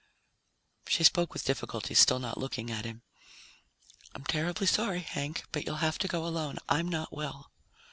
She spoke with difficulty, still not looking at him. "I'm terribly sorry, Hank, but you'll have to go alone. I'm not well."